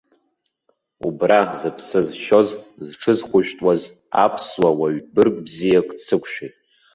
Убра зыԥсы зшьоз, зҽызхәышәтәуаз аԥсуа уаҩ бырг бзиак дсықәшәеит.